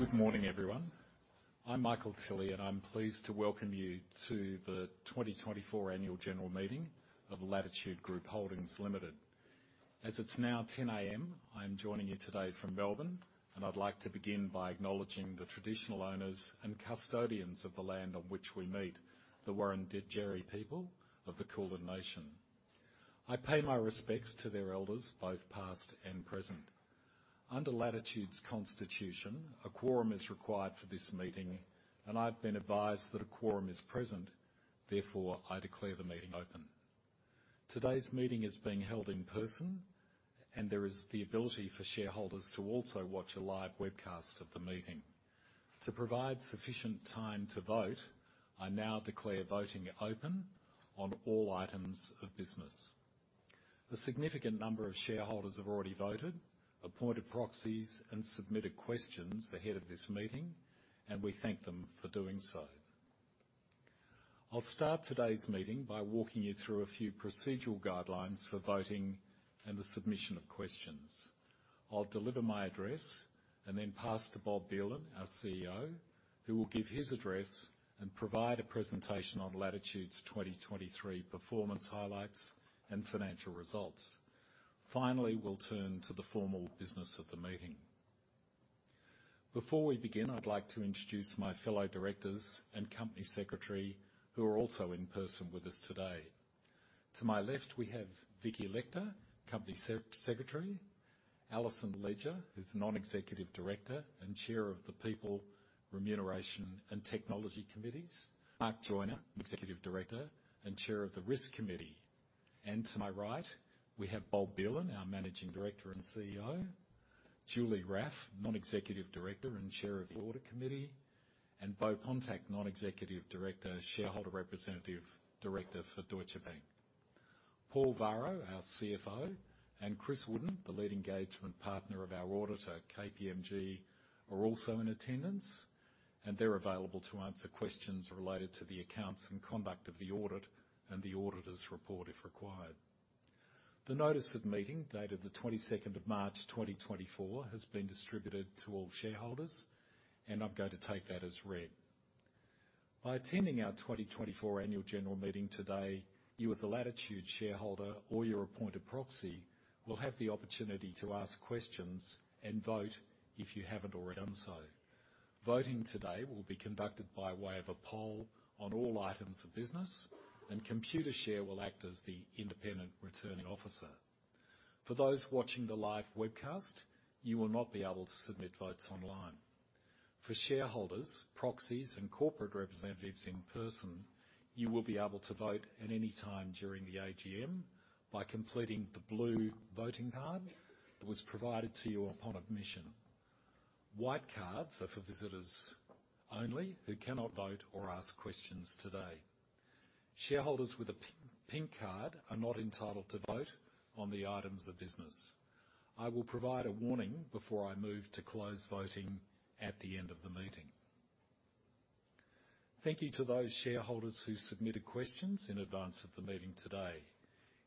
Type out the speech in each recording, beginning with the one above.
Good morning, everyone. I'm Michael Tilley, and I'm pleased to welcome you to the 2024 annual general meeting of Latitude Group Holdings Limited. As it's now 10:00 A.M., I'm joining you today from Melbourne, and I'd like t o begin by acknowledging the traditional owners and custodians of the land on which we meet, the Wurundjeri people of the Kulin Nation. I pay my respects to their elders, both past and present. Under Latitude's constitution, a quorum is required for this meeting, and I've been advised that a quorum is present; therefore, I declare the meeting open. Today's meeting is being held in person, and there is the ability for shareholders to also watch a live webcast of the meeting. To provide sufficient time to vote, I now declare voting open on all items of business. A significant number of shareholders have already voted, appointed proxies, and submitted questions ahead of this meeting, and we thank them for doing so. I'll start today's meeting by walking you through a few procedural guidelines for voting and the submission of questions. I'll deliver my address and then pass to Bob Belan, our CEO, who will give his address and provide a presentation on Latitude's 2023 performance highlights and financial results. Finally, we'll turn to the formal business of the meeting. Before we begin, I'd like to introduce my fellow directors and company secretary, who are also in person with us today. To my left, we have Vicki Letcher, Company Secretary, Alison Ledger, who's Non-Executive Director and Chair of the People, Remuneration, and Technology Committees, Mark Joiner, Executive Director and Chair of the Risk Committee, and to my right, we have Bob Belan, our Managing Director and CEO, Julie Raffe, Non-Executive Director and Chair of the Audit Committee, and Beaux Pontak, Non-Executive Director, shareholder representative director for Deutsche Bank. Paul Varro, our CFO, and Chris Wooden, the lead engagement partner of our auditor, KPMG, are also in attendance, and they're available to answer questions related to the accounts and conduct of the audit and the auditor's report if required. The notice of meeting dated the 22nd of March 2024 has been distributed to all shareholders, and I'm going to take that as read. By attending our 2024 annual general meeting today, you as a Latitude shareholder or your appointed proxy will have the opportunity to ask questions and vote if you haven't already done so. Voting today will be conducted by way of a poll on all items of business, and Computershare will act as the independent returning officer. For those watching the live webcast, you will not be able to submit votes online. For shareholders, proxies, and corporate representatives in person, you will be able to vote at any time during the AGM by completing the blue voting card that was provided to you upon admission. White cards are for visitors only who cannot vote or ask questions today. Shareholders with a pink card are not entitled to vote on the items of business. I will provide a warning before I move to close voting at the end of the meeting. Thank you to those shareholders who submitted questions in advance of the meeting today.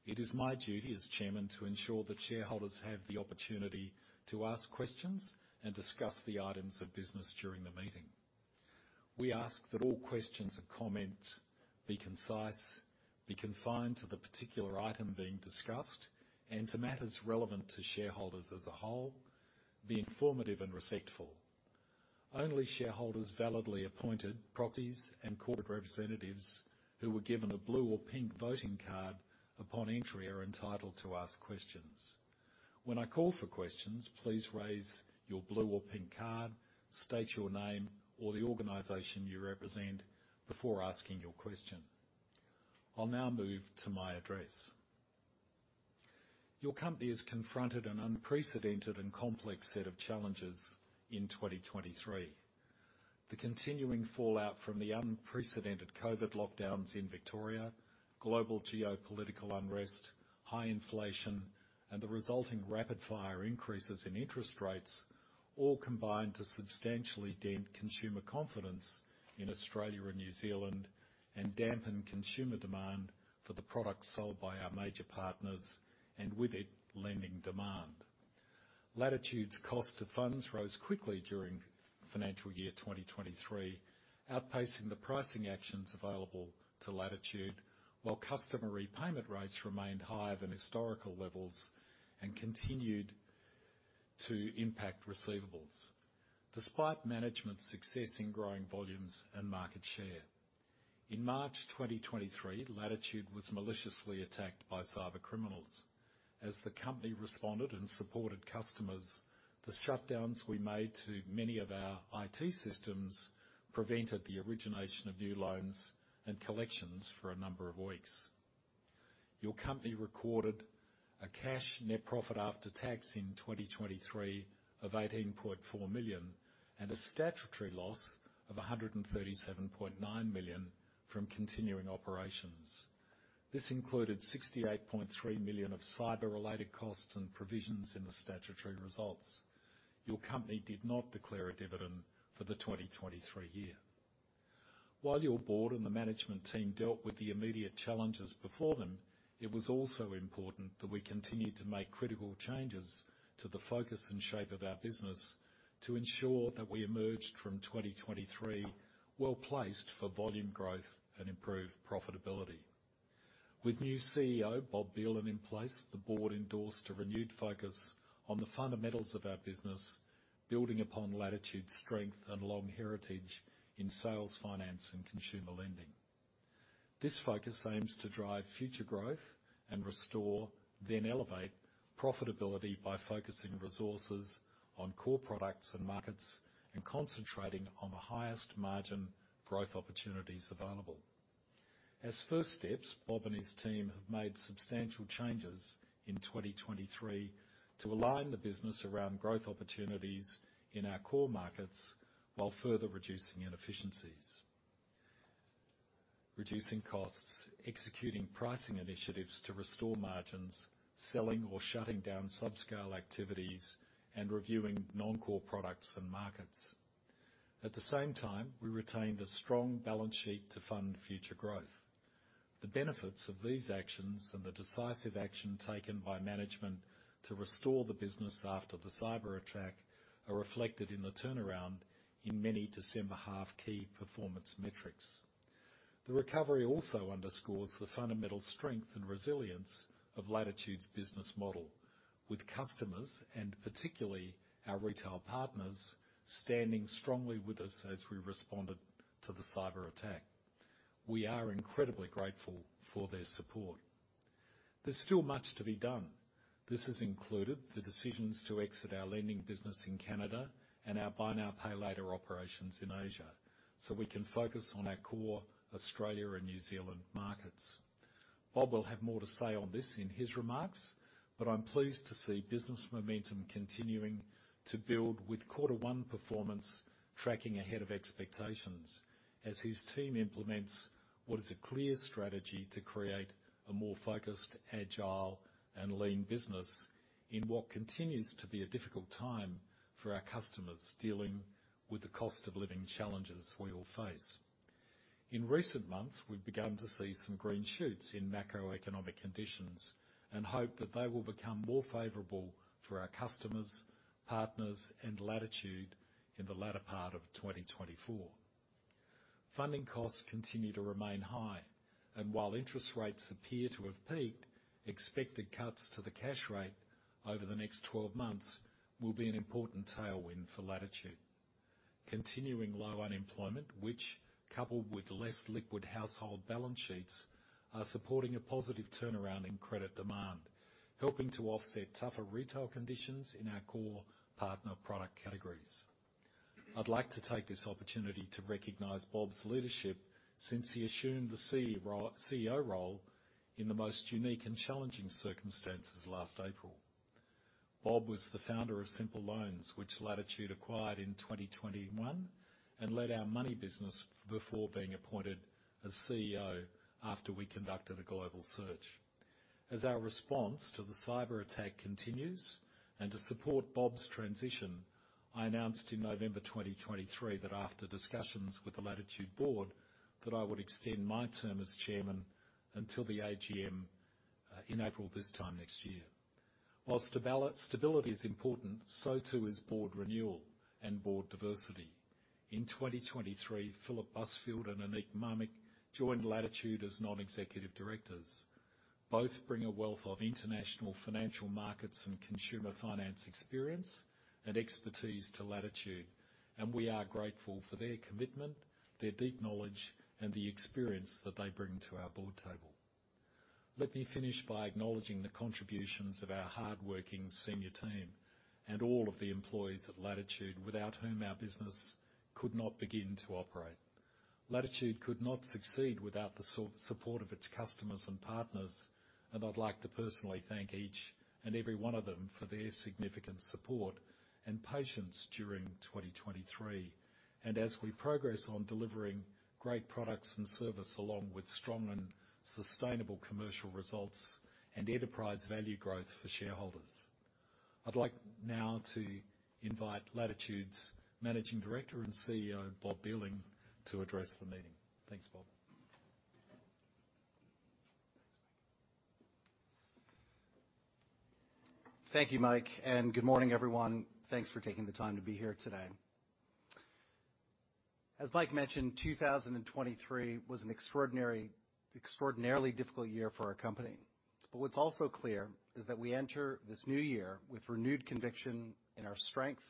It is my duty as Chairman to ensure that shareholders have the opportunity to ask questions and discuss the items of business during the meeting. We ask that all questions and comments be concise, be confined to the particular item being discussed, and to matters relevant to shareholders as a whole, be informative and respectful. Only shareholders validly appointed, proxies, and corporate representatives who were given a blue or pink voting card upon entry are entitled to ask questions. When I call for questions, please raise your blue or pink card, state your name, or the organisation you represent before asking your question. I'll now move to my address. Your company has confronted an unprecedented and complex set of challenges in 2023. The continuing fallout from the unprecedented COVID lockdowns in Victoria, global geopolitical unrest, high inflation, and the resulting rapid-fire increases in interest rates all combined to substantially dent consumer confidence in Australia and New Zealand and dampen consumer demand for the products sold by our major partners, and with it, lending demand. Latitude's cost of funds rose quickly during financial year 2023, outpacing the pricing actions available to Latitude, while customer repayment rates remained higher than historical levels and continued to impact receivables, despite management's success in growing volumes and market share. In March 2023, Latitude was maliciously attacked by cybercriminals. As the company responded and supported customers, the shutdowns we made to many of our IT systems prevented the origination of new loans and collections for a number of weeks. Your company recorded a cash net profit after tax in 2023 of 18.4 million and a statutory loss of 137.9 million from continuing operations. This included 68.3 million of cyber-related costs and provisions in the statutory results. Your company did not declare a dividend for the 2023 year. While your board and the management team dealt with the immediate challenges before them, it was also important that we continue to make critical changes to the focus and shape of our business to ensure that we emerged from 2023 well-placed for volume growth and improved profitability. With new CEO Bob Belan in place, the board endorsed a renewed focus on the fundamentals of our business, building upon Latitude's strength and long heritage in Sales Finance, and consumer lending. This focus aims to drive future growth and restore, then elevate, profitability by focusing resources on core products and markets and concentrating on the highest margin growth opportunities available. As first steps, Bob and his team have made substantial changes in 2023 to align the business around growth opportunities in our core markets while further reducing inefficiencies, reducing costs, executing pricing initiatives to restore margins, selling or shutting down subscale activities, and reviewing non-core products and markets. At the same time, we retained a strong balance sheet to fund future growth. The benefits of these actions and the decisive action taken by management to restore the business after the cyberattack are reflected in the turnaround in many December half key performance metrics. The recovery also underscores the fundamental strength and resilience of Latitude's business model, with customers and particularly our retail partners standing strongly with us as we responded to the cyberattack. We are incredibly grateful for their support. There's still much to be done. This has included the decisions to exit our lending business in Canada and our buy now, pay later operations in Asia, so we can focus on our core Australia and New Zealand markets. Bob will have more to say on this in his remarks, but I'm pleased to see business momentum continuing to build with quarter one performance tracking ahead of expectations as his team implements what is a clear strategy to create a more focused, agile, and lean business in what continues to be a difficult time for our customers dealing with the cost of living challenges we all face. In recent months, we've begun to see some green shoots in macroeconomic conditions and hope that they will become more favorable for our customers, partners, and Latitude in the latter part of 2024. Funding costs continue to remain high, and while interest rates appear to have peaked, expected cuts to the cash rate over the next 12 months will be an important tailwind for Latitude. Continuing low unemployment, which, coupled with less liquid household balance sheets, are supporting a positive turnaround in credit demand, helping to offset tougher retail conditions in our core partner product categories. I'd like to take this opportunity to recognize Bob's leadership since he assumed the CEO role in the most unique and challenging circumstances last April. Bob was the founder of Symple Loans, which Latitude acquired in 2021 and led our Money business before being appointed as CEO after we conducted a global search. As our response to the cyberattack continues and to support Bob's transition, I announced in November 2023 that after discussions with the Latitude board, I would extend my term as chairman until the AGM in April this time next year. While stability is important, so too is board renewal and board diversity. In 2023, Philip Busfield and Aneek Mamik joined Latitude as non-executive directors. Both bring a wealth of international financial markets and consumer finance experience and expertise to Latitude, and we are grateful for their commitment, their deep knowledge, and the experience that they bring to our board table. Let me finish by acknowledging the contributions of our hardworking senior team and all of the employees at Latitude without whom our business could not begin to operate. Latitude could not succeed without the support of its customers and partners, and I'd like to personally thank each and every one of them for their significant support and patience during 2023 and as we progress on delivering great products and service along with strong and sustainable commercial results and enterprise value growth for shareholders. I'd like now to invite Latitude's managing director and CEO, Bob Belan, to address the meeting. Thanks, Bob. Thank you, Mike, and good morning, everyone. Thanks for taking the time to be here today. As Mike mentioned, 2023 was an extraordinarily difficult year for our company, but what's also clear is that we enter this new year with renewed conviction in our strength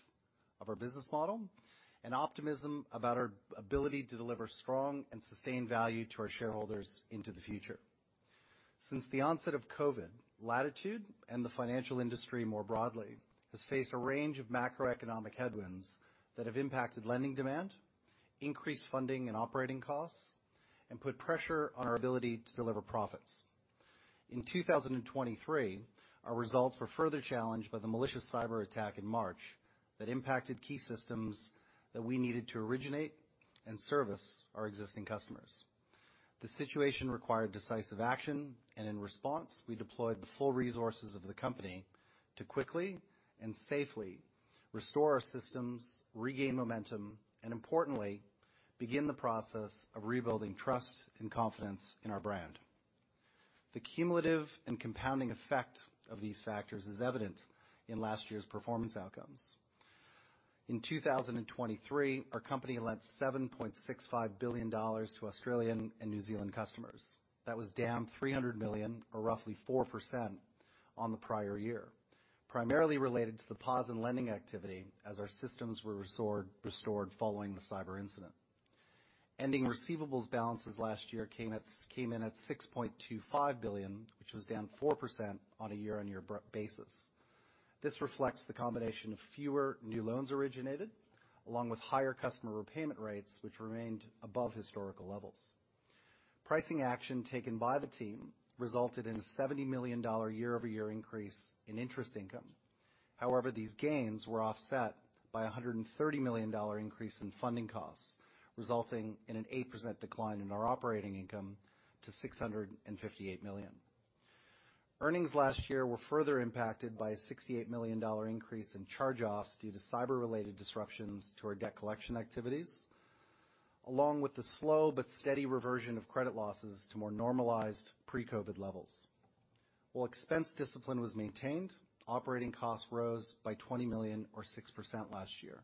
of our business model and optimism about our ability to deliver strong and sustained value to our shareholders into the future. Since the onset of COVID, Latitude and the financial industry more broadly has faced a range of macroeconomic headwinds that have impacted lending demand, increased funding and operating costs, and put pressure on our ability to deliver profits. In 2023, our results were further challenged by the malicious cyberattack in March that impacted key systems that we needed to originate and service our existing customers. The situation required decisive action, and in response, we deployed the full resources of the company to quickly and safely restore our systems, regain momentum, and importantly, begin the process of rebuilding trust and confidence in our brand. The cumulative and compounding effect of these factors is evident in last year's performance outcomes. In 2023, our company lent 7.65 billion dollars to Australian and New Zealand customers. That was down 300 million, or roughly 4%, on the prior year, primarily related to the pause in lending activity as our systems were restored following the cyber incident. Ending receivables balances last year came in at 6.25 billion, which was down 4% on a year-over-year basis. This reflects the combination of fewer new loans originated, along with higher customer repayment rates, which remained above historical levels. Pricing action taken by the team resulted in a 70 million dollar year-over-year increase in interest income. However, these gains were offset by a 130 million dollar increase in funding costs, resulting in an 8% decline in our operating income to 658 million. Earnings last year were further impacted by a 68 million dollar increase in charge-offs due to cyber-related disruptions to our debt collection activities, along with the slow but steady reversion of credit losses to more normalized pre-COVID levels. While expense discipline was maintained, operating costs rose by 20 million, or 6%, last year.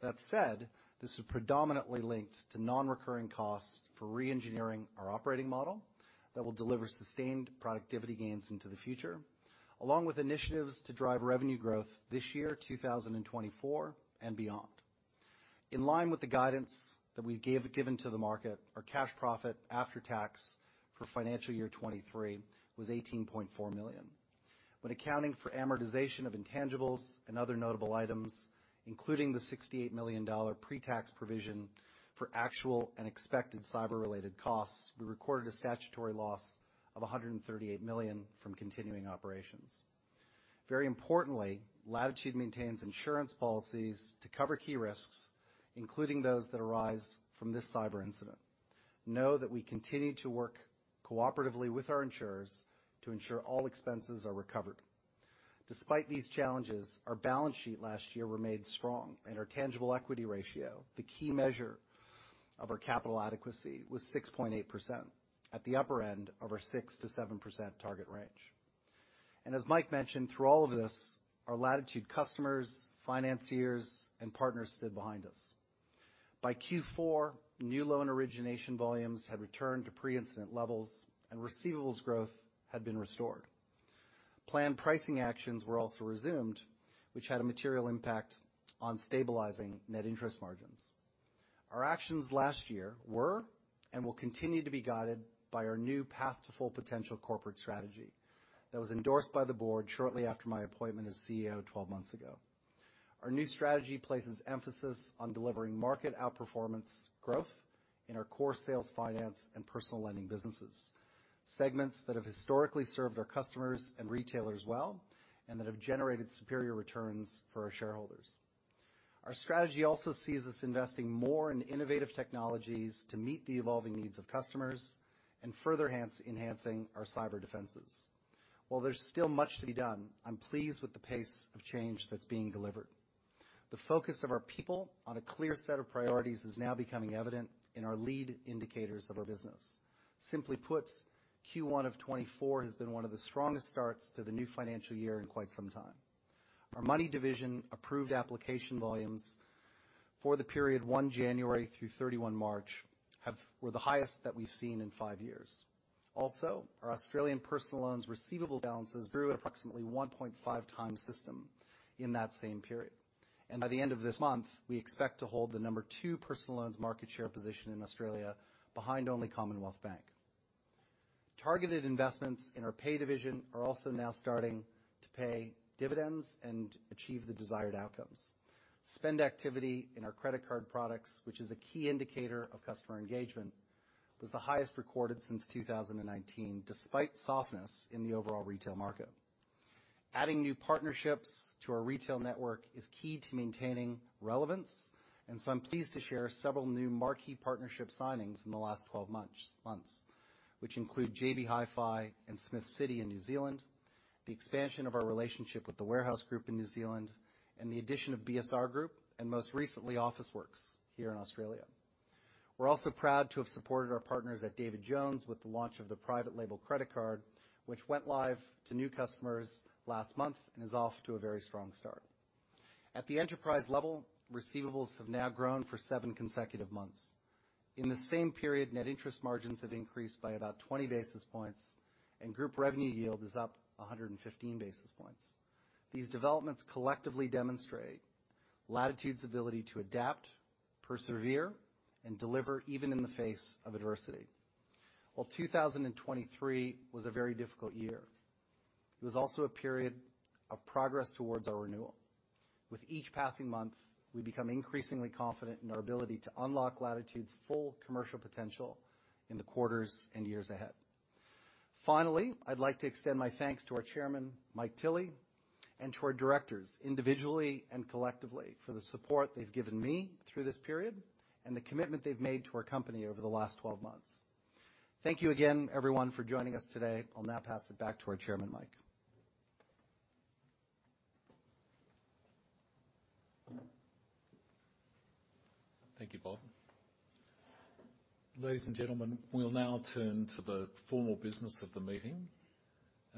That said, this was predominantly linked to non-recurring costs for re-engineering our operating model that will deliver sustained productivity gains into the future, along with initiatives to drive revenue growth this year, 2024, and beyond. In line with the guidance that we've given to the market, our cash profit after tax for financial year 2023 was 18.4 million. When accounting for amortization of intangibles and other notable items, including the 68 million dollar pre-tax provision for actual and expected cyber-related costs, we recorded a statutory loss of 138 million from continuing operations. Very importantly, Latitude maintains insurance policies to cover key risks, including those that arise from this cyber incident. Know that we continue to work cooperatively with our insurers to ensure all expenses are recovered. Despite these challenges, our balance sheet last year remained strong, and our Tangible Equity Ratio, the key measure of our capital adequacy, was 6.8%, at the upper end of our 6%-7% target range. As Mike mentioned, through all of this, our Latitude customers, financiers, and partners stood behind us. By Q4, new loan origination volumes had returned to pre-incident levels, and receivables growth had been restored. Planned pricing actions were also resumed, which had a material impact on stabilising net interest margins. Our actions last year were and will continue to be guided by our new path-to-full potential corporate strategy that was endorsed by the board shortly after my appointment as CEO 12 months ago. Our new strategy places emphasis on delivering market outperformance growth in our core sales finance and personal lending businesses, segments that have historically served our customers and retailers well and that have generated superior returns for our shareholders. Our strategy also sees us investing more in innovative technologies to meet the evolving needs of customers and further enhancing our cyber defenses. While there's still much to be done, I'm pleased with the pace of change that's being delivered. The focus of our people on a clear set of priorities is now becoming evident in our lead indicators of our business. Simply put, Q1 of 2024 has been one of the strongest starts to the new financial year in quite some time. Our Money division approved application volumes for the period January through 31 March were the highest that we've seen in five years. Also, our Australian personal loans receivable balances grew at approximately 1.5 times system in that same period. By the end of this month, we expect to hold the number two personal loans market share position in Australia behind only Commonwealth Bank. Targeted investments in our Pay division are also now starting to pay dividends and achieve the desired outcomes. Spend activity in our credit card products, which is a key indicator of customer engagement, was the highest recorded since 2019, despite softness in the overall retail market. Adding new partnerships to our retail network is key to maintaining relevance, and so I'm pleased to share several new marquee partnership signings in the last 12 months, which include JB Hi-Fi and Smiths City in New Zealand, the expansion of our relationship with The Warehouse Group in New Zealand, and the addition of BSR Group and, most recently, Officeworks here in Australia. We're also proud to have supported our partners at David Jones with the launch of the private label credit card, which went live to new customers last month and is off to a very strong start. At the enterprise level, receivables have now grown for seven consecutive months. In the same period, net interest margins have increased by about 20 basis points, and group revenue yield is up 115 basis points. These developments collectively demonstrate Latitude's ability to adapt, persevere, and deliver even in the face of adversity. While 2023 was a very difficult year, it was also a period of progress towards our renewal. With each passing month, we become increasingly confident in our ability to unlock Latitude's full commercial potential in the quarters and years ahead. Finally, I'd like to extend my thanks to our chairman, Mike Tilley, and to our directors, individually and collectively, for the support they've given me through this period and the commitment they've made to our company over the last 12 months. Thank you again, everyone, for joining us today. I'll now pass it back to our chairman, Mike. Thank you, Bob. Ladies and gentlemen, we'll now turn to the formal business of the meeting.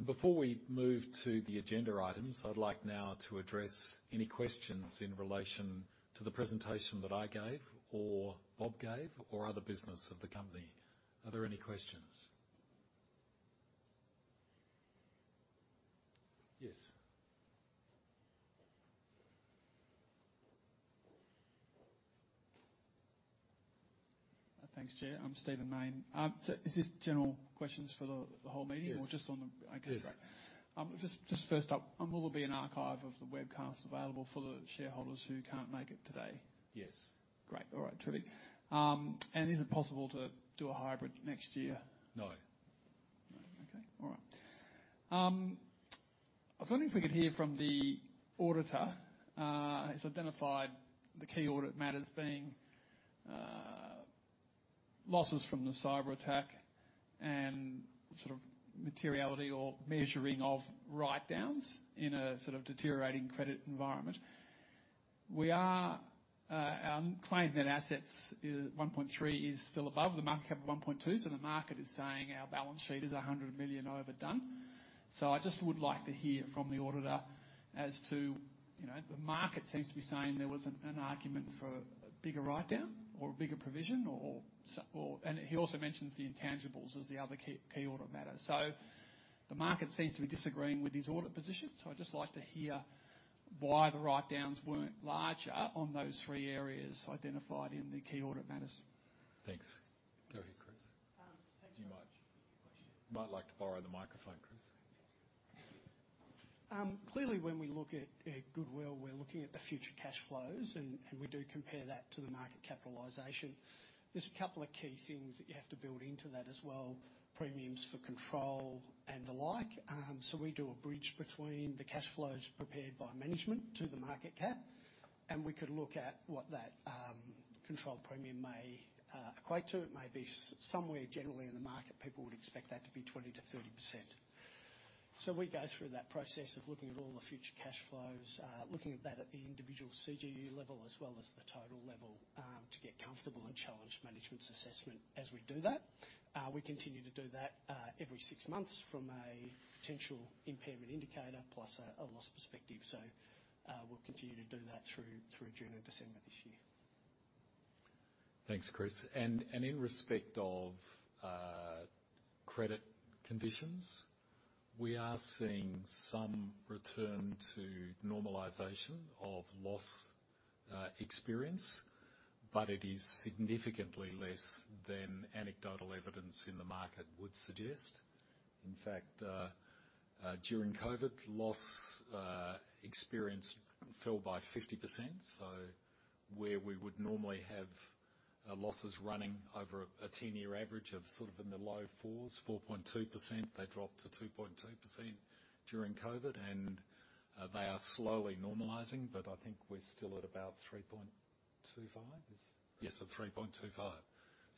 Before we move to the agenda items, I'd like now to address any questions in relation to the presentation that I gave or Bob gave or other business of the company. Are there any questions? Yes. Thanks, Chair. I'm Stephen Mayne. Is this general questions for the whole meeting or just on the okay, right. Yes. Just first up, will there be an archive of the webcast available for the shareholders who can't make it today? Yes. Great. All right, terrific. Is it possible to do a hybrid next year? No. No. Okay. All right. I was wondering if we could hear from the auditor. He's identified the key audit matters being losses from the cyberattack and sort of materiality or measuring of write-downs in a sort of deteriorating credit environment. Our claimed net assets 1.3 billion is still above the market cap of 1.2 billion, so the market is saying our balance sheet is 100 million overdone. So I just would like to hear from the auditor as to the market seems to be saying there was an argument for a bigger write-down or a bigger provision, and he also mentions the intangibles as the other key audit matter. So the market seems to be disagreeing with his audit position, so I'd just like to hear why the write-downs weren't larger on those three areas identified in the key audit matters. Thanks. Go ahead, Chris. Thanks very much. Would you like to borrow the microphone, Chris. Clearly, when we look at Goodwill, we're looking at the future cash flows, and we do compare that to the market capitalization. There's a couple of key things that you have to build into that as well, premiums for control and the like. So we do a bridge between the cash flows prepared by management to the market cap, and we could look at what that control premium may equate to. It may be somewhere generally in the market, people would expect that to be 20%-30%. So we go through that process of looking at all the future cash flows, looking at that at the individual CGU level as well as the total level to get comfortable and challenge management's assessment as we do that. We continue to do that every six months from a potential impairment indicator plus a loss perspective, so we'll continue to do that through June and December this year. Thanks, Chris. And in respect of credit conditions, we are seeing some return to normalization of loss experience, but it is significantly less than anecdotal evidence in the market would suggest. In fact, during COVID, loss experience fell by 50%, so where we would normally have losses running over a 10-year average of sort of in the low fours, 4.2%, they dropped to 2.2% during COVID, and they are slowly normalizing, but I think we're still at about 3.25%. Is? Yes, at 3.25%.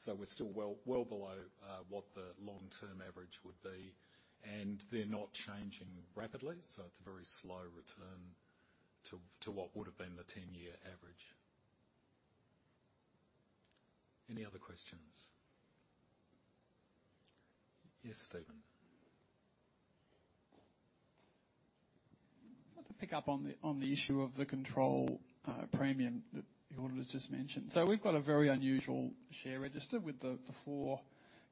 So we're still well below what the long-term average would be, and they're not changing rapidly, so it's a very slow return to what would have been the 10-year average. Any other questions? Yes, Stephen. I'd like to pick up on the issue of the control premium that the auditor just mentioned. So we've got a very unusual share register with the four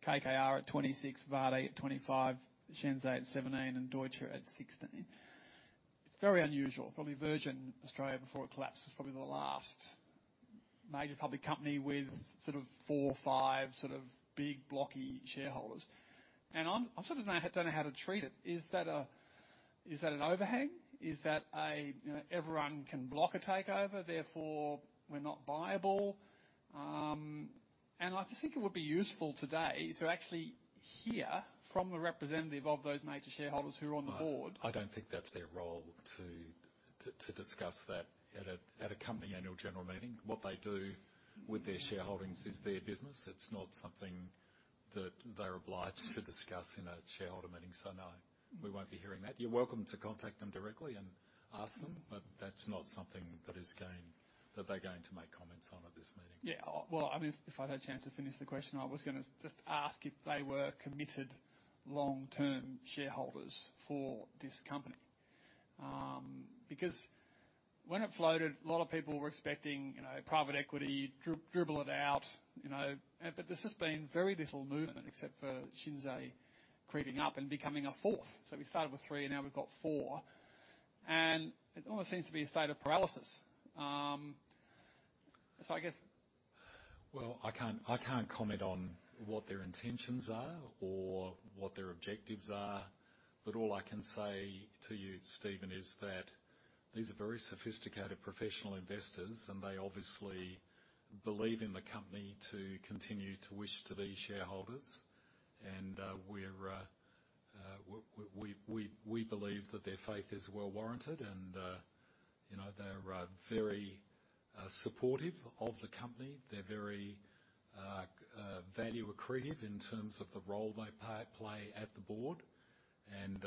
KKR at 26%, Varde at 25%, Shinsei at 17%, and Deutsche at 16%. It's very unusual. Probably Virgin Australia before it collapsed was probably the last major public company with sort of four, five sort of big, blocky shareholders. And I sort of don't know how to treat it. Is that an overhang? Is that a everyone can block a takeover, therefore we're not buyable? And I think it would be useful today to actually hear from the representative of those major shareholders who are on the board. I don't think that's their role to discuss that at a company annual general meeting. What they do with their shareholdings is their business. It's not something that they're obliged to discuss in a shareholder meeting, so no, we won't be hearing that. You're welcome to contact them directly and ask them, but that's not something that they're going to make comments on at this meeting. Yeah. Well, I mean, if I'd had a chance to finish the question, I was going to just ask if they were committed long-term shareholders for this company. Because when it floated, a lot of people were expecting private equity, dribble it out, but there's just been very little movement except for Shinsei creeping up and becoming a fourth. So we started with three, and now we've got four, and it almost seems to be a state of paralysis. So I guess. Well, I can't comment on what their intentions are or what their objectives are, but all I can say to you, Stephen, is that these are very sophisticated professional investors, and they obviously believe in the company to continue to wish to be shareholders, and we believe that their faith is well-warranted, and they're very supportive of the company. They're very value accretive in terms of the role they play at the board, and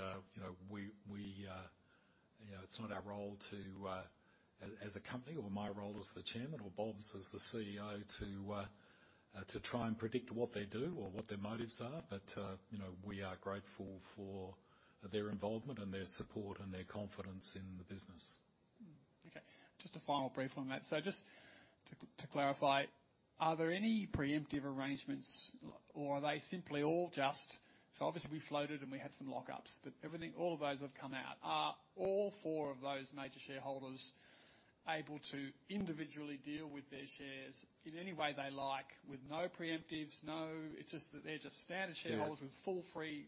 it's not our role to, as a company or my role as the chairman or Bob's as the CEO, to try and predict what they do or what their motives are, but we are grateful for their involvement and their support and their confidence in the business. Okay. Just a final brief on that. So just to clarify, are there any preemptive arrangements, or are they simply all just so obviously we floated, and we had some lockups, but all of those have come out? Are all four of those major shareholders able to individually deal with their shares in any way they like with no preemptives? It's just that they're just standard shareholders with full free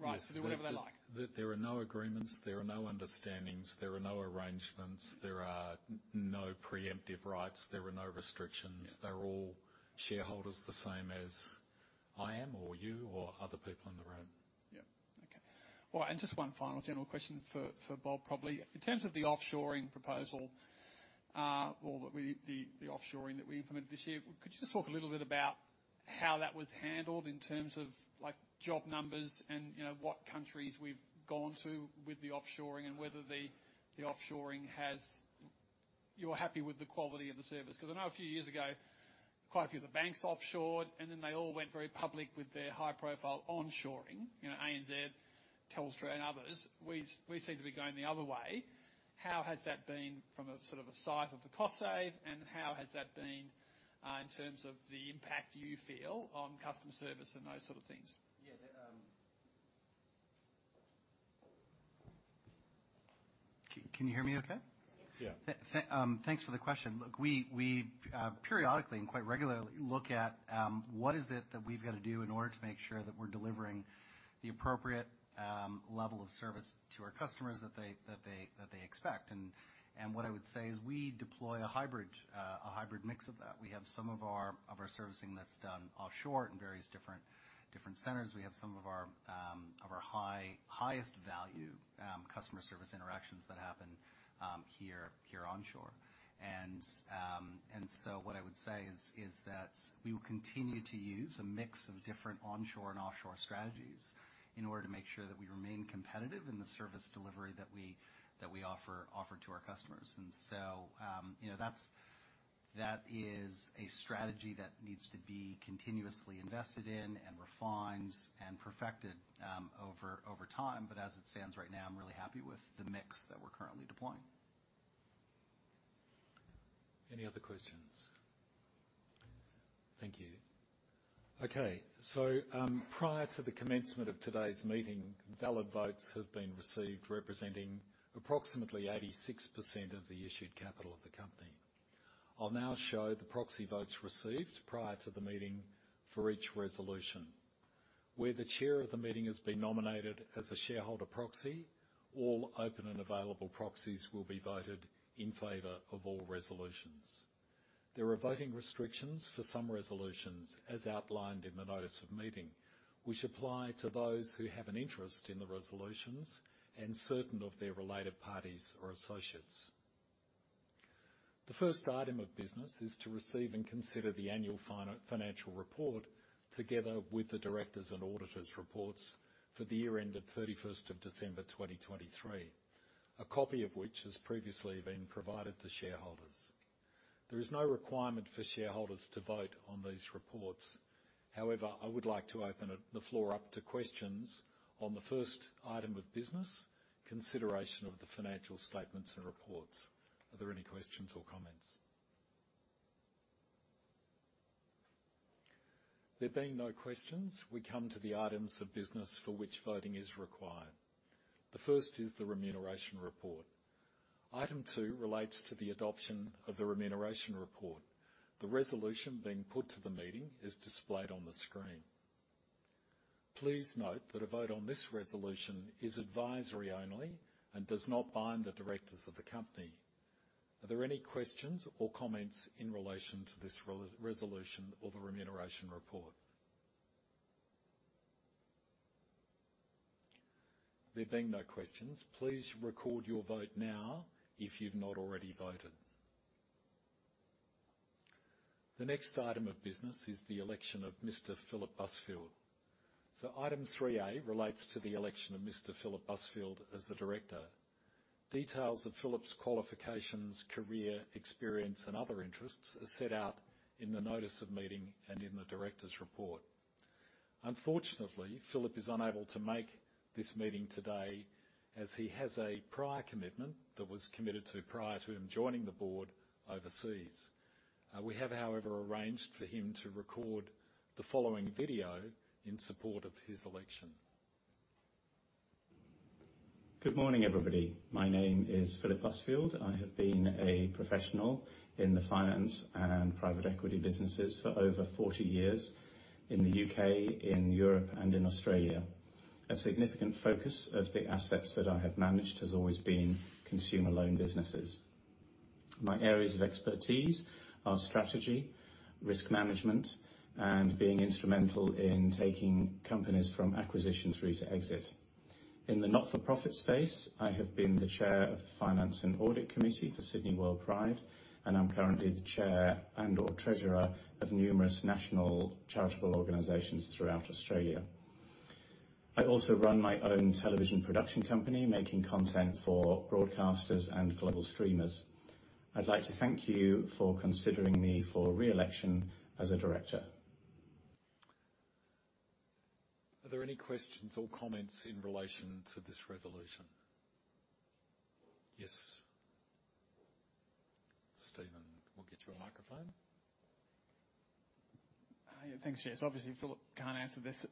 rights to do whatever they like? There are no agreements. There are no understandings. There are no arrangements. There are no preemptive rights. There are no restrictions. They're all shareholders the same as I am or you or other people in the room. Yeah. Okay. Well, and just one final general question for Bob, probably. In terms of the offshoring proposal, well, the offshoring that we implemented this year, could you just talk a little bit about how that was handled in terms of job numbers and what countries we've gone to with the offshoring and whether the offshoring has you're happy with the quality of the service? Because I know a few years ago, quite a few of the banks offshored, and then they all went very public with their high-profile onshoring, ANZ, Telstra, and others. We seem to be going the other way. How has that been from a sort of a size of the cost save, and how has that been in terms of the impact you feel on customer service and those sort of things? Yeah. Can you hear me okay? Yeah. Thanks for the question. Look, we periodically and quite regularly look at what is it that we've got to do in order to make sure that we're delivering the appropriate level of service to our customers that they expect. And what I would say is we deploy a hybrid mix of that. We have some of our servicing that's done offshore in various different centers. We have some of our highest-value customer service interactions that happen here onshore. And so what I would say is that we will continue to use a mix of different onshore and offshore strategies in order to make sure that we remain competitive in the service delivery that we offer to our customers. And so that is a strategy that needs to be continuously invested in and refined and perfected over time, but as it stands right now, I'm really happy with the mix that we're currently deploying. Any other questions? Thank you. Okay. So prior to the commencement of today's meeting, valid votes have been received representing approximately 86% of the issued capital of the company. I'll now show the proxy votes received prior to the meeting for each resolution. Where the chair of the meeting has been nominated as a shareholder proxy, all open and available proxies will be voted in favor of all resolutions. There are voting restrictions for some resolutions, as outlined in the notice of meeting, which apply to those who have an interest in the resolutions and certain of their related parties or associates. The first item of business is to receive and consider the annual financial report together with the directors' and auditors' reports for the year ended 31st of December 2023, a copy of which has previously been provided to shareholders. There is no requirement for shareholders to vote on these reports. However, I would like to open the floor up to questions on the first item of business, consideration of the financial statements and reports. Are there any questions or comments? There being no questions, we come to the items of business for which voting is required. The first is the remuneration report. Item two relates to the adoption of the remuneration report. The resolution being put to the meeting is displayed on the screen. Please note that a vote on this resolution is advisory only and does not bind the directors of the company. Are there any questions or comments in relation to this resolution or the remuneration report? There being no questions, please record your vote now if you've not already voted. The next item of business is the election of Mr. Philip Busfield. So item 3A relates to the election of Mr. Philip Busfield as the director. Details of Philip's qualifications, career, experience, and other interests are set out in the notice of meeting and in the director's report. Unfortunately, Philip is unable to make this meeting today as he has a prior commitment that was committed to prior to him joining the board overseas. We have, however, arranged for him to record the following video in support of his election. Good morning, everybody. My name is Philip Busfield. I have been a professional in the finance and private equity businesses for over 40 years in the UK, in Europe, and in Australia. A significant focus of the assets that I have managed has always been consumer-loan businesses. My areas of expertise are strategy, risk management, and being instrumental in taking companies from acquisition through to exit. In the not-for-profit space, I have been the chair of the finance and audit committee for Sydney WorldPride, and I'm currently the chair and/or treasurer of numerous national charitable organisations throughout Australia. I also run my own television production company, making content for broadcasters and global streamers. I'd like to thank you for considering me for re-election as a director. Are there any questions or comments in relation to this resolution? Yes, Stephen. We'll get you a microphone. Thanks, Jess. Obviously, Philip can't answer this,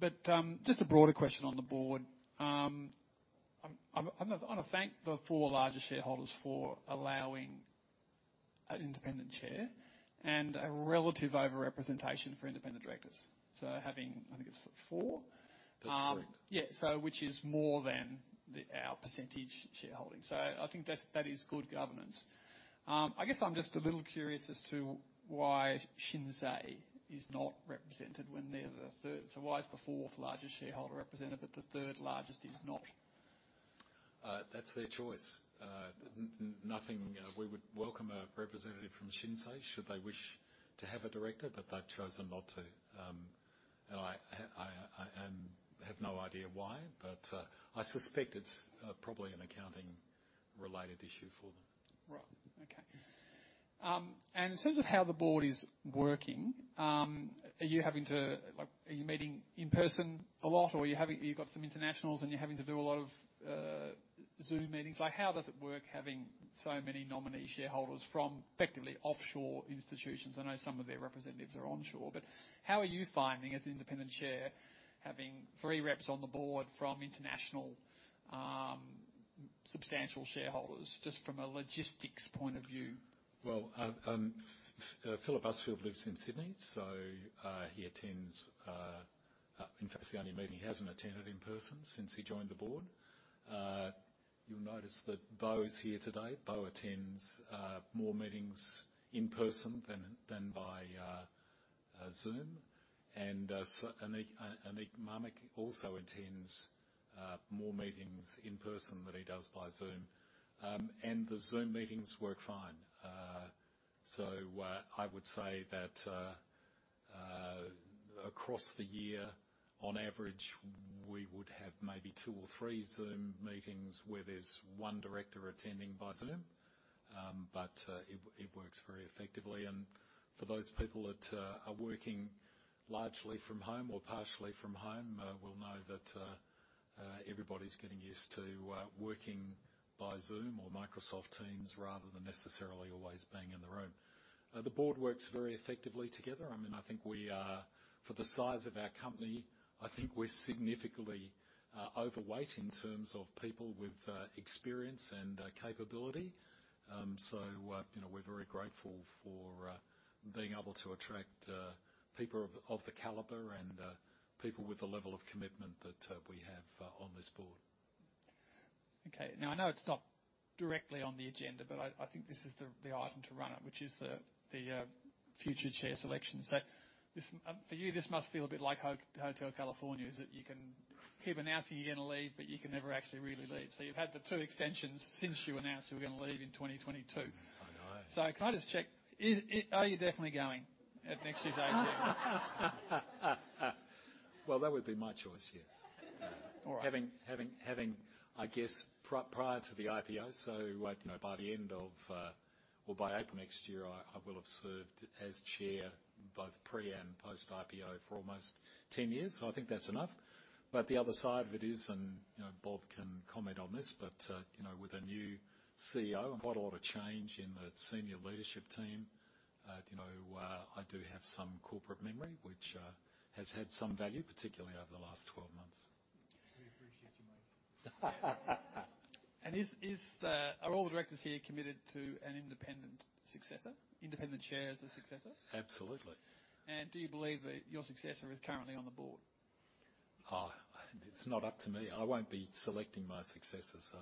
but just a broader question on the board. I want to thank the four largest shareholders for allowing an independent chair and a relative overrepresentation for independent directors. So having I think it's four. That's correct. Yeah, which is more than our percentage shareholding. So I think that is good governance. I guess I'm just a little curious as to why Shinsei is not represented when they're the third. So why is the fourth largest shareholder represented, but the third largest is not? That's their choice. We would welcome a representative from Shinsei should they wish to have a director, but they've chosen not to, and I have no idea why, but I suspect it's probably an accounting-related issue for them. Right. Okay. And in terms of how the board is working, are you meeting in person a lot, or you've got some internationals, and you're having to do a lot of Zoom meetings? How does it work having so many nominee shareholders from, effectively, offshore institutions? I know some of their representatives are onshore, but how are you finding, as an independent chair, having three reps on the board from international substantial shareholders, just from a logistics point of view? Well, Philip Busfield lives in Sydney, so, in fact, he attends the only meeting he hasn't attended in person since he joined the board. You'll notice that Beaux's here today. Beaux attends more meetings in person than by Zoom, and Aneek Mamik also attends more meetings in person than he does by Zoom, and the Zoom meetings work fine. So I would say that across the year, on average, we would have maybe two or three Zoom meetings where there's one director attending by Zoom, but it works very effectively. And for those people that are working largely from home or partially from home, we'll know that everybody's getting used to working by Zoom or Microsoft Teams rather than necessarily always being in the room. The board works very effectively together. I mean, I think we are for the size of our company, I think we're significantly overweight in terms of people with experience and capability, so we're very grateful for being able to attract people of the caliber and people with the level of commitment that we have on this board. Okay. Now, I know it's not directly on the agenda, but I think this is the item to run it, which is the future chair selection. So for you, this must feel a bit like Hotel California, is that you can keep announcing you're going to leave, but you can never actually really leave. So you've had the two extensions since you announced you were going to leave in 2022. I know. Can I just check? Are you definitely going at next year's AGM? Well, that would be my choice, yes. Having, I guess, prior to the IPO, so by the end of or by April next year, I will have served as chair both pre and post-IPO for almost 10 years, so I think that's enough. But the other side of it is, and Bob can comment on this, but with a new CEO and quite a lot of change in the senior leadership team, I do have some corporate memory, which has had some value, particularly over the last 12 months. We appreciate your money. Are all the directors here committed to an independent successor, independent chair as a successor? Absolutely. Do you believe that your successor is currently on the board? It's not up to me. I won't be selecting my successor, so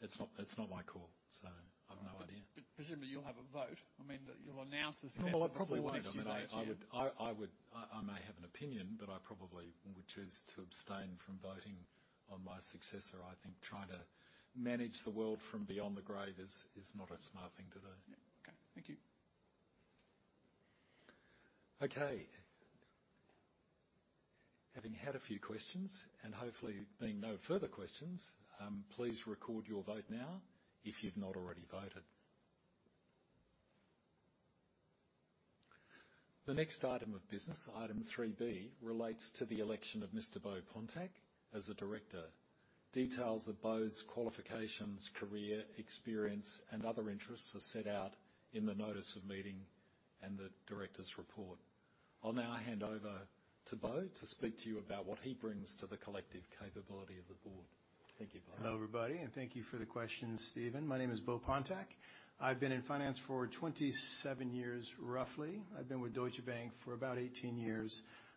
it's not my call, so I've no idea. Presumably, you'll have a vote. I mean, you'll announce the successor by the vote. No, well, I probably would actually say that I may have an opinion, but I probably would choose to abstain from voting on my successor. I think trying to manage the world from beyond the grave is not a smart thing to do. Yeah. Okay. Thank you. Okay. Having had a few questions and hopefully being no further questions, please record your vote now if you've not already voted. The next item of business, item 3B, relates to the election of Mr. Beaux Pontak as a director. Details of Beaux's qualifications, career, experience, and other interests are set out in the notice of meeting and the director's report. I'll now hand over to Beaux to speak to you about what he brings to the collective capability of the board. Thank you, Beaux. Hello, everybody, and thank you for the questions, Stephen. My name is Beaux Pontak. I've been in finance for 27 years, roughly. I've been with Deutsche Bank for about 18 years.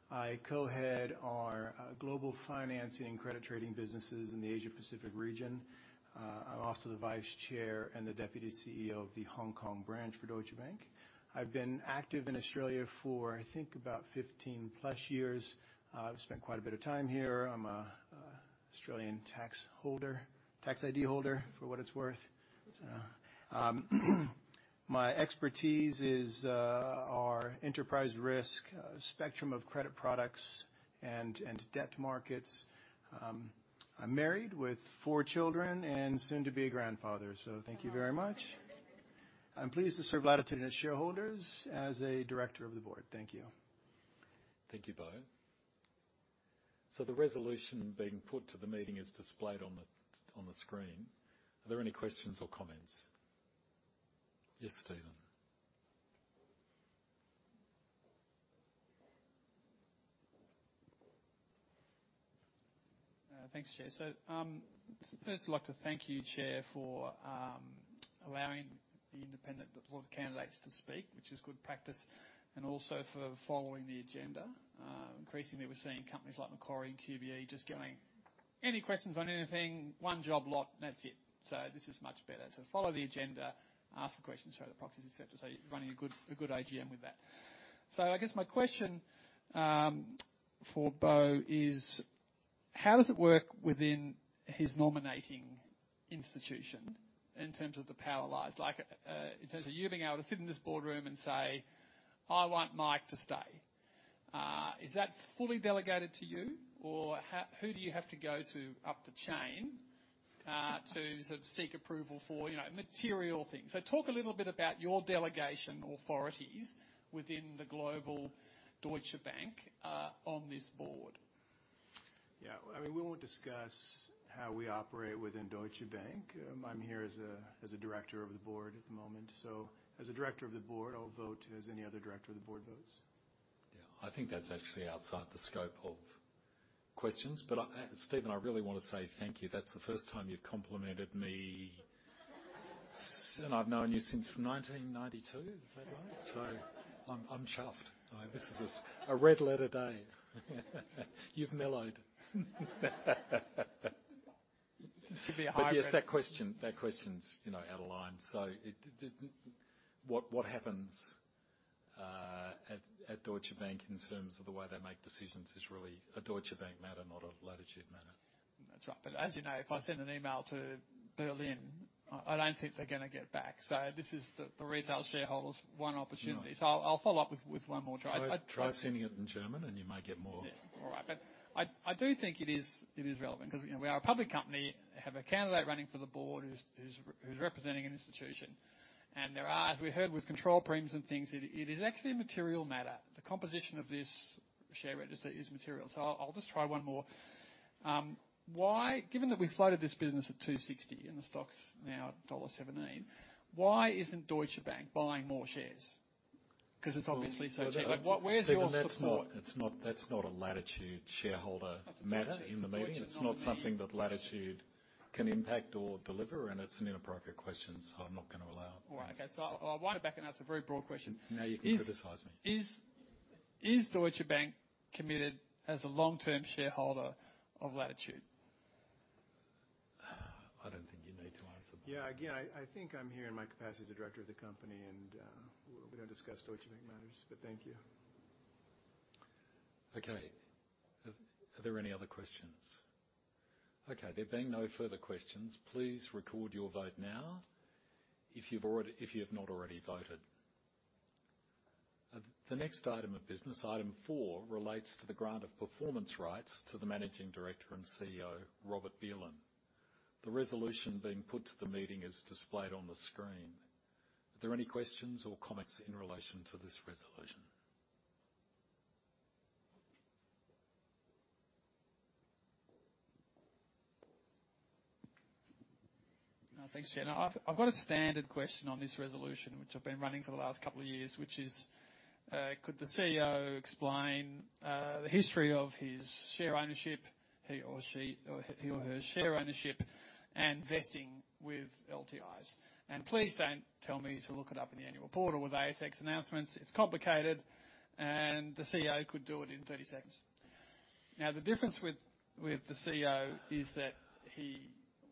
I co-head our global finance and credit trading businesses in the Asia-Pacific region. I'm also the Vice Chair and the Deputy CEO of the Hong Kong branch for Deutsche Bank. I've been active in Australia for, I think, about 15 plus years. I've spent quite a bit of time here. I'm an Australian tax ID holder, for what it's worth. My expertise is our enterprise risk, spectrum of credit products, and debt markets. I'm married with four children and soon to be a grandfather, so thank you very much. I'm pleased to serve Latitude and its shareholders as a director of the board. Thank you. Thank you, Beaux. So the resolution being put to the meeting is displayed on the screen. Are there any questions or comments? Yes, Stephen. Thanks, Jess. So first, I'd like to thank you, chair, for allowing all the candidates to speak, which is good practice, and also for following the agenda. Increasingly, we're seeing companies like Macquarie and QBE just going, "Any questions on anything? One job lot, and that's it." So this is much better. So follow the agenda, ask the questions, throw the proxies, etc. So you're running a good AGM with that. So I guess my question for Beaux is, how does it work within his nominating institution in terms of the power lies? In terms of you being able to sit in this boardroom and say, "I want Mike to stay," is that fully delegated to you, or who do you have to go to up the chain to sort of seek approval for material things? Talk a little bit about your delegation authorities within the global Deutsche Bank on this board. Yeah. I mean, we won't discuss how we operate within Deutsche Bank. I'm here as a director of the board at the moment. So as a director of the board, I'll vote as any other director of the board votes. Yeah. I think that's actually outside the scope of questions, but Stephen, I really want to say thank you. That's the first time you've complimented me, and I've known you since 1992, is that right? So I'm chuffed. This is a red letter day. You've mellowed. This could be a high-grade question. But yes, that question's out of line. So what happens at Deutsche Bank in terms of the way they make decisions is really a Deutsche Bank matter, not a Latitude matter. That's right. But as you know, if I send an email to Berlin, I don't think they're going to get back. So this is the retail shareholders' one opportunity. So I'll follow up with one more, try. Try sending it in German, and you may get more. Yeah. All right. But I do think it is relevant because we are a public company, have a candidate running for the board who's representing an institution, and there are, as we heard with control premiums and things, it is actually a material matter. The composition of this share register is material. So I'll just try one more. Given that we floated this business at 260 and the stock's now AUD 1.17, why isn't Deutsche Bank buying more shares? Because it's obviously so cheap. Where's your support? Stephen, that's not a Latitude shareholder matter in the meeting. It's not something that Latitude can impact or deliver, and it's an inappropriate question, so I'm not going to allow it. All right. Okay. So I'll wind it back, and that's a very broad question. Now you can criticize me. Is Deutsche Bank committed as a long-term shareholder of Latitude? I don't think you need to answer that. Yeah. Again, I think I'm here in my capacity as a director of the company, and we don't discuss Deutsche Bank matters, but thank you. Okay. Are there any other questions? Okay. There being no further questions, please record your vote now if you have not already voted. The next item of business, item four, relates to the grant of performance rights to the Managing Director and CEO, Robert Belan. The resolution being put to the meeting is displayed on the screen. Are there any questions or comments in relation to this resolution? Thanks, Jess. I've got a standard question on this resolution, which I've been running for the last couple of years, which is, could the CEO explain the history of his share ownership, he or she, or he or her, share ownership and investing with LTIs? And please don't tell me to look it up in the annual report or with ASX announcements. It's complicated, and the CEO could do it in 30 seconds. Now, the difference with the CEO is that he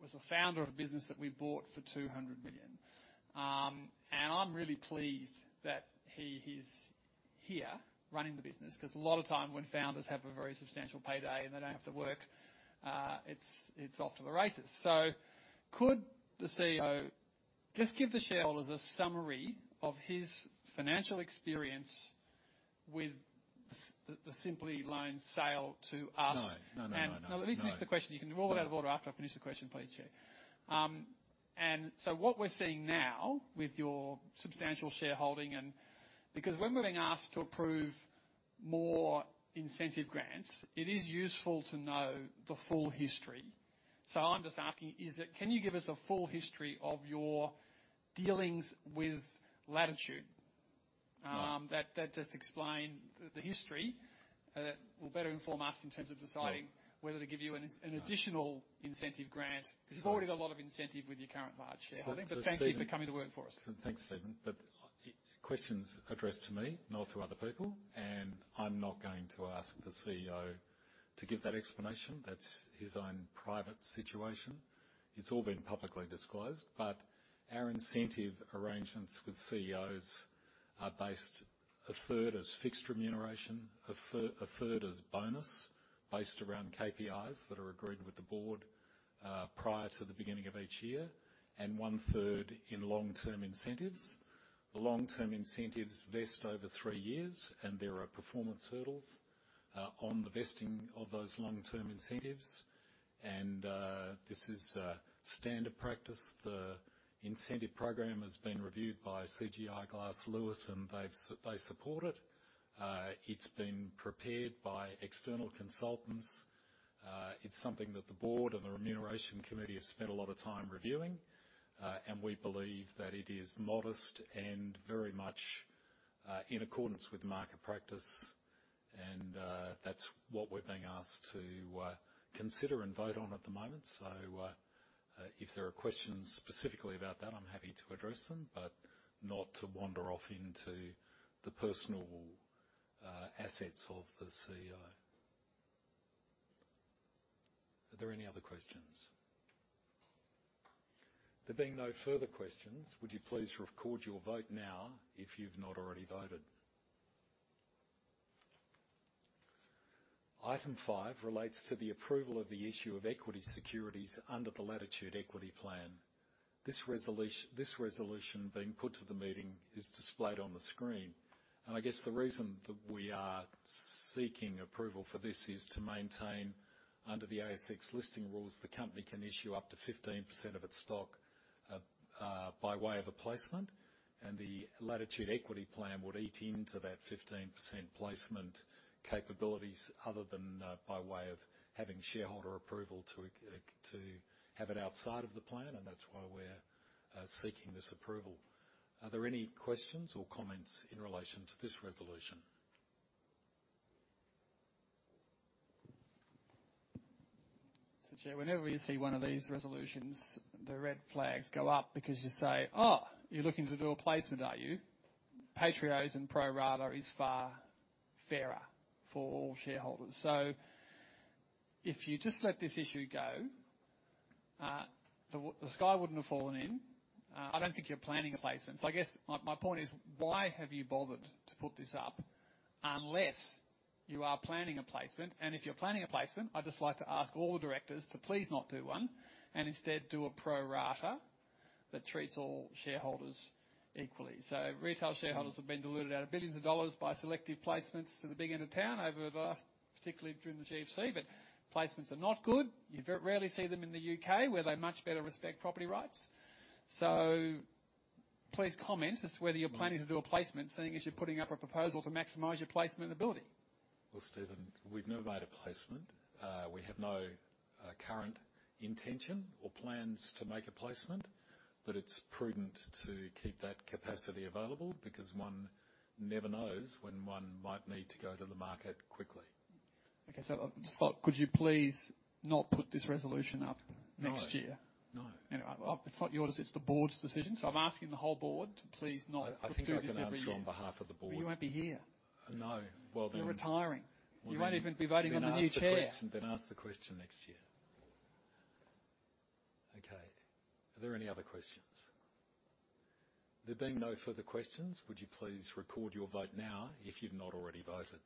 was a founder of a business that we bought for 200 million, and I'm really pleased that he's here running the business because a lot of time, when founders have a very substantial payday and they don't have to work, it's off to the races. So could the CEO just give the shareholders a summary of his financial experience with the Symple Loans sale to us? No. No, no, no, no. Let me finish the question. You can roll it out of order after I finish the question, please, chair. So what we're seeing now with your substantial shareholding and because when we're being asked to approve more incentive grants, it is useful to know the full history. So I'm just asking, can you give us a full history of your dealings with Latitude that just explain the history that will better inform us in terms of deciding whether to give you an additional incentive grant because there's already a lot of incentive with your current large shareholders. Thank you for coming to work for us. Thanks, Stephen. But questions addressed to me, not to other people, and I'm not going to ask the CEO to give that explanation. That's his own private situation. It's all been publicly disclosed. But our incentive arrangements with CEOs are based a third as fixed remuneration, a third as bonus based around KPIs that are agreed with the board prior to the beginning of each year, and one-third in long-term incentives. The long-term incentives vest over three years, and there are performance hurdles on the vesting of those long-term incentives. And this is standard practice. The incentive program has been reviewed by Glass Lewis, and they support it. It's been prepared by external consultants. It's something that the board and the remuneration committee have spent a lot of time reviewing, and we believe that it is modest and very much in accordance with market practice. That's what we're being asked to consider and vote on at the moment. So if there are questions specifically about that, I'm happy to address them, but not to wander off into the personal assets of the CEO. Are there any other questions? There being no further questions, would you please record your vote now if you've not already voted? Item five relates to the approval of the issue of equity securities under the Latitude Equity Plan. This resolution being put to the meeting is displayed on the screen. I guess the reason that we are seeking approval for this is to maintain, under the ASX listing rules, the company can issue up to 15% of its stock by way of a placement, and the Latitude Equity Plan would eat into that 15% placement capabilities other than by way of having shareholder approval to have it outside of the plan, and that's why we're seeking this approval. Are there any questions or comments in relation to this resolution? So, chair, whenever you see one of these resolutions, the red flags go up because you say, "Oh, you're looking to do a placement, are you?" Pro rata is far fairer for all shareholders. So if you just let this issue go, the sky wouldn't have fallen in. I don't think you're planning a placement. So I guess my point is, why have you bothered to put this up unless you are planning a placement? And if you're planning a placement, I'd just like to ask all the directors to please not do one and instead do a pro rata that treats all shareholders equally. So retail shareholders have been diluted out of billions dollars by selective placements to the big end of town over the last, particularly during the GFC, but placements are not good. You rarely see them in the UK, where they much better respect property rights. So please comment as to whether you're planning to do a placement, saying as you're putting up a proposal to maximize your placement ability. Well, Stephen, we've never made a placement. We have no current intention or plans to make a placement, but it's prudent to keep that capacity available because one never knows when one might need to go to the market quickly. Okay. So, Chair, could you please not put this resolution up next year? No. No. Anyway, it's not your decision. It's the board's decision. So I'm asking the whole board to please not do this every year. I think I'm going to answer on behalf of the board. But you won't be here. No. Well, then. You're retiring. You won't even be voting on the new chair. Then ask the question next year. Okay. Are there any other questions? There being no further questions, would you please record your vote now if you've not already voted?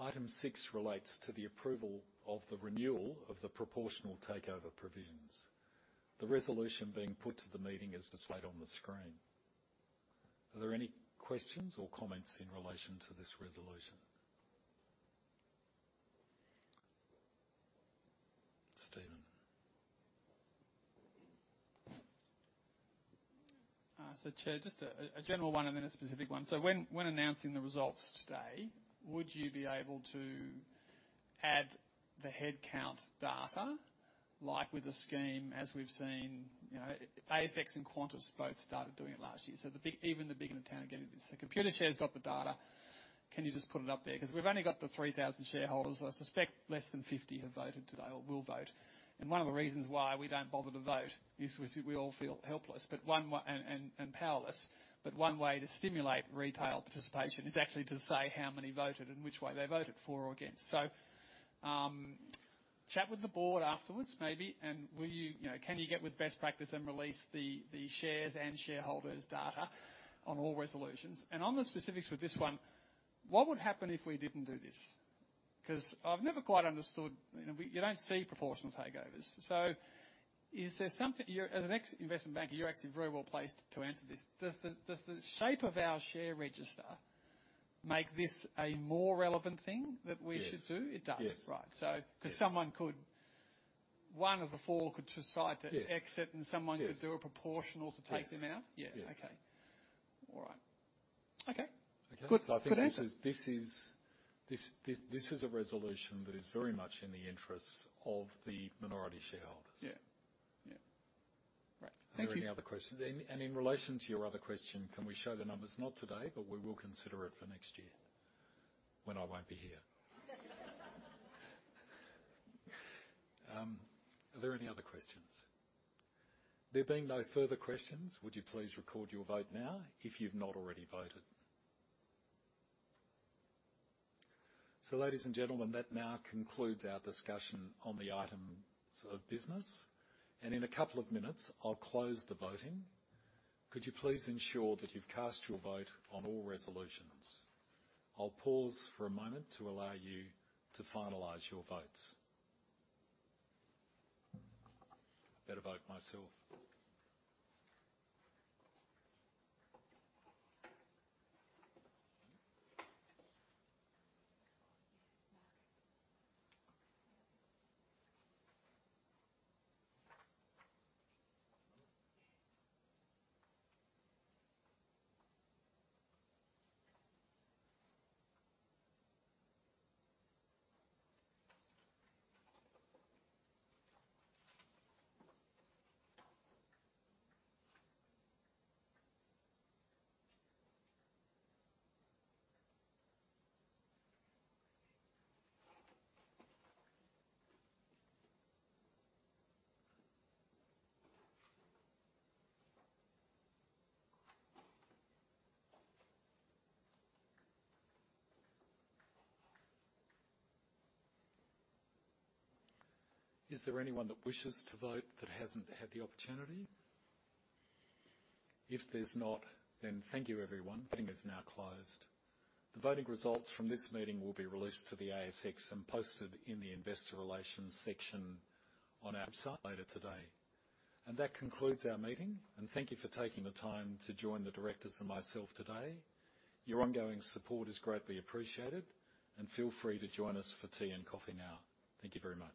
Item 6 relates to the approval of the renewal of the proportional takeover provisions. The resolution being put to the meeting is displayed on the screen. Are there any questions or comments in relation to this resolution? Stephen? So, chair, just a general one and then a specific one. So when announcing the results today, would you be able to add the headcount data like with a scheme as we've seen ASX and Qantas both started doing it last year? So even the big end of town are getting this. So Computershare got the data. Can you just put it up there? Because we've only got the 3,000 shareholders. I suspect less than 50 have voted today or will vote. And one of the reasons why we don't bother to vote is we all feel helpless and powerless. But one way to stimulate retail participation is actually to say how many voted and which way they voted, for or against. So chat with the board afterwards, maybe, and can you get with best practice and release the shares and shareholders' data on all resolutions? On the specifics with this one, what would happen if we didn't do this? Because I've never quite understood, you don't see proportional takeovers. As an investment banker, you're actually very well placed to answer this. Does the shape of our share register make this a more relevant thing that we should do? Yes. It does. Yes. Right. Because one of the four could decide to exit, and someone could do a proportional to take them out? Yes. Yes. Okay. All right. Okay. Okay. I think this is a resolution that is very much in the interests of the minority shareholders. Yeah. Yeah. Right. Thank you. Are there any other questions? And in relation to your other question, can we show the numbers? Not today, but we will consider it for next year when I won't be here. Are there any other questions? There being no further questions, would you please record your vote now if you've not already voted? So, ladies and gentlemen, that now concludes our discussion on the items of business. And in a couple of minutes, I'll close the voting. Could you please ensure that you've cast your vote on all resolutions? I'll pause for a moment to allow you to finalize your votes. Better vote myself. Is there anyone that wishes to vote that hasn't had the opportunity? If there's not, then thank you, everyone. The meeting is now closed. The voting results from this meeting will be released to the ASX and posted in the investor relations section on our website later today. That concludes our meeting, and thank you for taking the time to join the directors and myself today. Your ongoing support is greatly appreciated, and feel free to join us for tea and coffee now. Thank you very much.